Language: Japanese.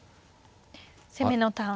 攻めのターンが。